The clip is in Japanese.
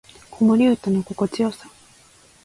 子守唄の心地よさ